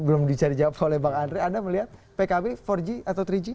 belum dicari jawab oleh bang andre anda melihat pkb empat g atau tiga g